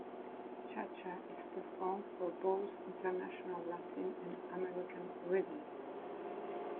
Cha-cha is performed for both International Latin and American Rhythm.